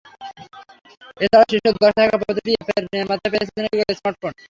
এছাড়া শীর্ষ দশে থাকা প্রতিটি অ্যাপের নির্মাতারাই পেয়েছেন একটি করে স্মার্টফোন।